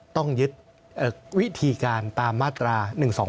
ต้องยึดวิธีการตามมาตรา๑๒